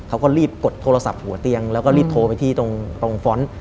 เขาก็รีบกดโทรศัพท์หัวเตียงแล้วก็รีบโทรไปที่ตรงฟ้อนต์